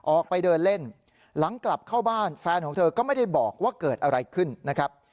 ออกไปเดินเล่นหลังกลับเข้าบ้านแฟนของเธอก็ไม่ได้บอกว่าเกิดอะไรขึ้นนะครับ